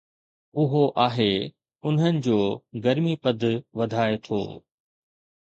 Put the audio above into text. اهو آهي، انهن جو گرمي پد وڌائي ٿو